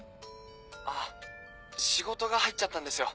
あっ仕事が入っちゃったんですよ。